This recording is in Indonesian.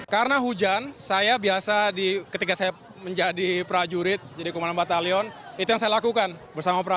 karena hujan saya biasa ketika saya menjadi prajurit jadi komandan batalion itu yang saya lakukan bersama prajurit